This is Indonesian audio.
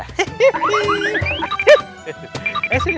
eh sini sebelah sini